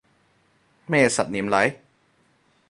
咩實驗嚟